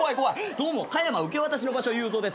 「どうも加山受け渡しの場所言うぞうです」